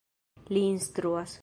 Li instruas.